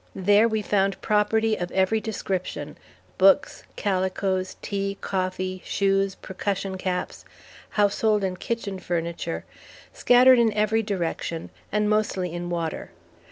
There we found property of every description, books, calicoes, tea, coffee, shoes, percussion caps, household and kitchen furniture, scattered in every direction, and mostly in water.